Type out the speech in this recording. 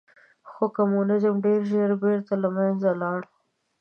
خو کمونیزم ډېر ژر بېرته له منځه لاړ.